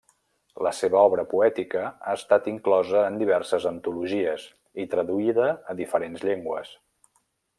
La seva obra poètica ha estat inclosa en diverses antologies i traduïda a diferents llengües.